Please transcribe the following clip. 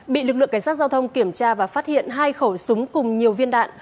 bị lực lượng cảnh sát giao thông kiểm tra và phát hiện hai khẩu súng cùng nhiều viên đạn